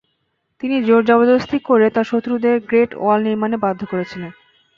তিনি জোর-জবরদস্তি করে তার শত্রুদের গ্রেট ওয়াল নির্মাণে বাধ্য করেছিলেন!